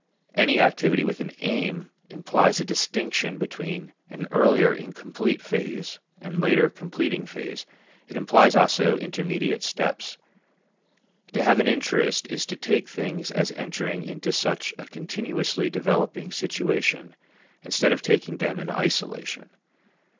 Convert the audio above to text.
Any activity with an aim implies a distinction between an earlier incomplete phase and later completing phase; it implies also intermediate steps. To have an interest is to take things as entering into such a continuously developing situation, instead of taking them in isolation.